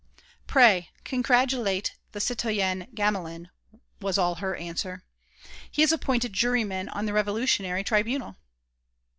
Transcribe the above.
"Pray, congratulate the citoyen Gamelin," was all her answer, "he is appointed juryman on the Revolutionary Tribunal."